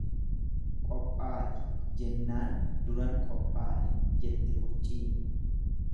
Qophaa'i jennaan duran qophaa'e jette qurciin.